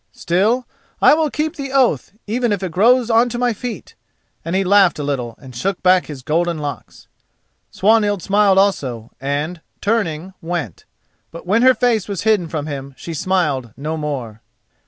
Still, I will keep the oath even if it grows on to my feet," and he laughed a little and shook back his golden locks. Swanhild smiled also and, turning, went. But when her face was hidden from him she smiled no more.